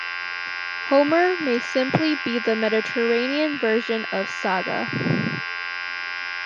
"Homer" may simply be the Mediterranean version of "saga".